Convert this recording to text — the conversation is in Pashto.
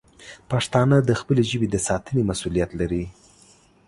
پښتانه د خپلې ژبې د ساتنې مسوولیت لري.